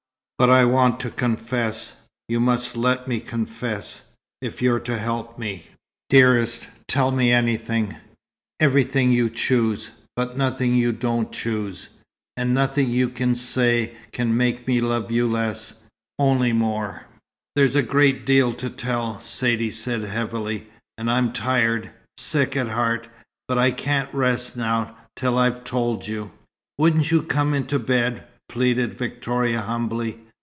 But I want to confess. You must let me confess, if you're to help me." "Dearest, tell me anything everything you choose, but nothing you don't choose. And nothing you say can make me love you less only more." "There's a great deal to tell," Saidee said, heavily "And I'm tired sick at heart. But I can't rest now, till I've told you." "Wouldn't you come into bed?" pleaded Victoria humbly.